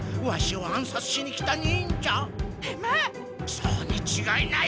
そうにちがいない！